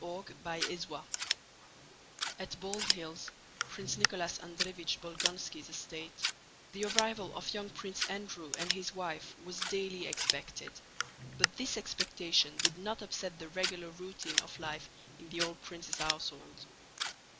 CHAPTER XXV At Bald Hills, Prince Nicholas Andréevich Bolkónski's estate, the arrival of young Prince Andrew and his wife was daily expected, but this expectation did not upset the regular routine of life in the old prince's household.